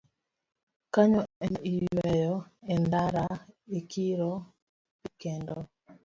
Kanyo ema iyweyo e ndara, ikiro pi kendo